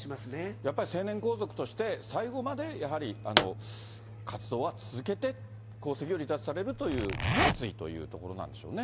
やっぱり成年皇族として、最後までやはり活動は続けて、皇籍を離脱されるという決意というところなんでしょうね。